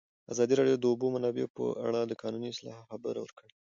ازادي راډیو د د اوبو منابع په اړه د قانوني اصلاحاتو خبر ورکړی.